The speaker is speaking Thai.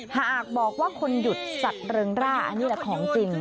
หากบอกว่าคนหยุดสัตว์เริงร่าอันนี้แหละของจริง